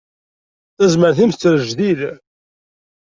Tazmert-im tettrejdil.